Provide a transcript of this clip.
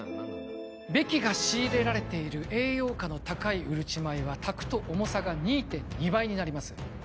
ベキが仕入れられている栄養価の高いうるち米は、炊くと重さが２．２倍になります。